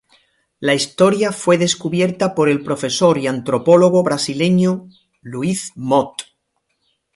La historia fue descubierta por el profesor y antropólogo brasileño Luiz Mott.